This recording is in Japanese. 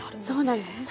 そうなんです。